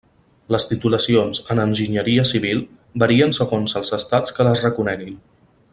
Les titulacions en enginyeria civil varien segons els estats que les reconeguin.